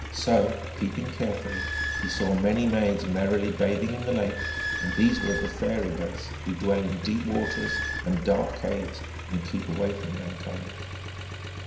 So, peeping carefully, he saw many maids merrily bathing in the lake : and these were of the fairy race, who dwell in deep waters and dark caves, and keep away from mankind.